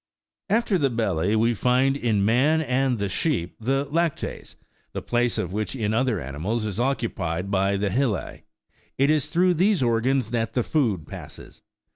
After the belly we find in man and the sheep the " lactes,''87 the place of which in other animals is occupied by the " hillae :"68 it is through these organs that. the food passes.